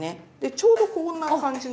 ちょうどこんな感じの。